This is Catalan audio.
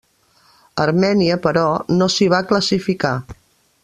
Armènia, però, no s'hi va classificar.